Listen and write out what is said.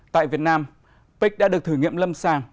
tại việt nam pic đã được thử nghiệm lâm sàng